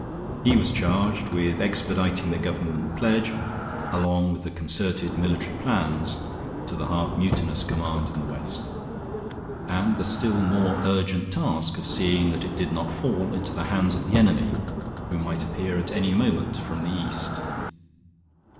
He was charged with expediting the government pledge, along with the concerted military plans, to the half mutinous command in the west; and the still more urgent task of seeing that it did not fall into the hands of the enemy, who might appear at any moment from the east.